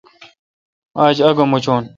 آج آگہ موچون۔